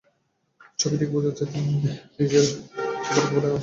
ছবি দেখেই বোঝা যাচ্ছে ভিন ডিজেল এবার একেবারে আষ্টে-পৃষ্ঠে জড়িয়ে ধরেছেন দীপিকাকে।